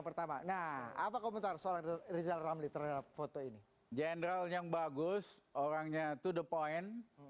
pertama nah apa komentar soal rizal ramli terhadap foto ini general yang bagus orangnya to the point